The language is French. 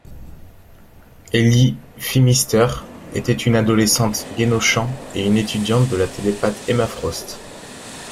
Ellie Phimister était une adolescente genoshan et une étudiante de la télépathe Emma Frost.